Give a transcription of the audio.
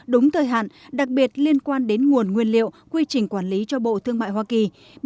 đúng thời hạn đặc biệt liên quan đến nguồn nguyên liệu quy trình quản lý cho bộ thương mại hoa kỳ